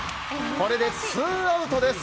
これでツーアウトです。